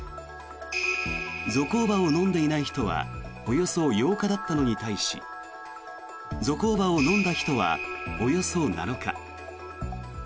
ゾコーバを飲んでいない人はおよそ８日だったのに対しゾコーバを飲んだ人はおよそ７日。